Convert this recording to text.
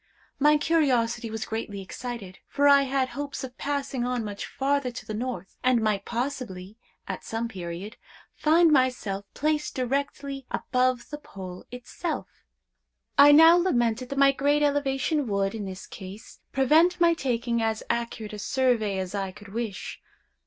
My curiosity was greatly excited, for I had hopes of passing on much farther to the north, and might possibly, at some period, find myself placed directly above the Pole itself. I now lamented that my great elevation would, in this case, prevent my taking as accurate a survey as I could wish.